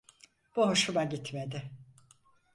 Bu hoşuma gitmedi.